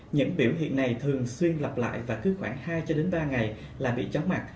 những biểu hiện này thường xuyên lặp lại và cứ khoảng hai ba ngày là bị chóng mặt